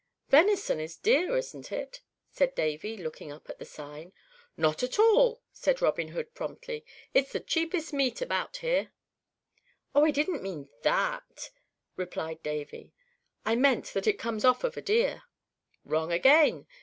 "Venison is deer, isn't it?" said Davy, looking up at the sign. "Not at all," said Robin Hood, promptly. "It's the cheapest meat about here." "Oh, I didn't mean that," replied Davy; "I meant that it comes off of a deer." "Wrong again!"